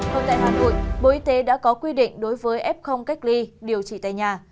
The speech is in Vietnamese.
còn tại hà nội bộ y tế đã có quy định đối với f cách ly điều trị tại nhà